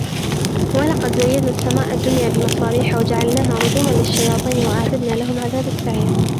وَلَقَد زَيَّنَّا السَّماءَ الدُّنيا بِمَصابيحَ وَجَعَلناها رُجومًا لِلشَّياطينِ وَأَعتَدنا لَهُم عَذابَ السَّعيرِ